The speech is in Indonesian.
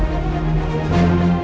aku akan menang